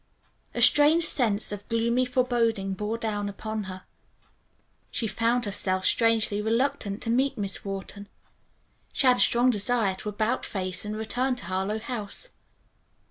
A strange sense of gloomy foreboding bore down upon her. She found herself strangely reluctant to meet Miss Wharton. She had a strong desire to about face and return to Harlowe House.